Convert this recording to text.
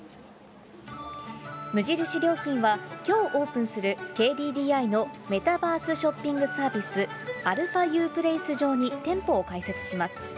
無印良品は、きょうオープンするＫＤＤＩのメタバースショッピングサービス、αＵプレイス上に店舗を開設します。